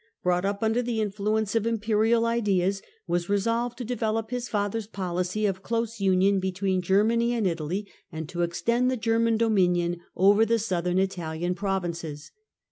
brought up under the influence of imperial ideas, was resolved to develop his father's policy of close union between Ger many and Italy, and to extend the German dominion over the southern Italian provinces.